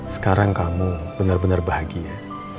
sekarang kamu bener bener bahagia